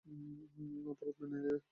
অপরাধ মেনে নিলে।